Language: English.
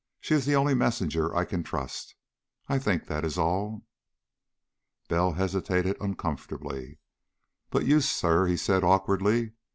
She is the only messenger I can trust. I think that is all." Bell hesitated uncomfortably. "But you, sir," he said awkwardly.